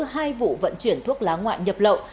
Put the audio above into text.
hai vụ vận chuyển thuốc lá ngoại nhập lậu